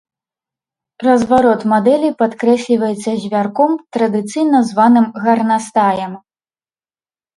Разварот мадэлі падкрэсліваецца звярком, традыцыйна званым гарнастаем.